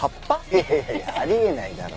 いやいやいやあり得ないだろ。